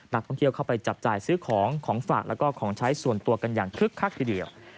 นักท่องเที่ยวเข้าไปจับจ่ายซื้อของของฝากแล้วก็ของใช้ส่วนตัวกันอย่างคึกคักทีเดียว